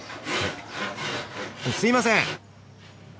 すいません！